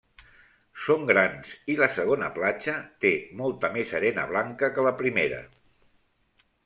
Són grans i la segona platja, té molta més arena blanca que la primera.